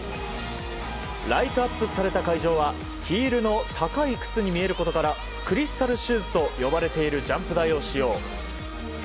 ライトアップされた会場はヒールの高い靴に見えることからクリスタルシューズと呼ばれているジャンプ台を使用。